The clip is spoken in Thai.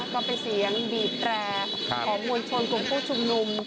ก็เป็นเสียงบีบแตรของมวลชนกลุ่มผู้ชุมนุม